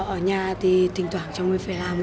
ở nhà thì thỉnh thoảng cho người phải làm